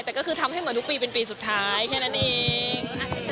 แต่ก็คือทำให้เหมือนทุกปีเป็นปีสุดท้ายแค่นั้นเอง